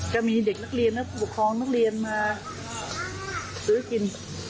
จะมีเด็กนักเรียนและผู้ปกครองนักเรียนมาซื้อกิน